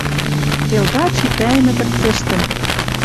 Тел гач итрӓйӹмӹ пӹрцӹштӹм